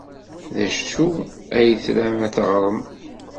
D acu ay tram ad teɣrem?